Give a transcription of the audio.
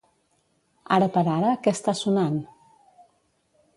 Ara per ara, què està sonant?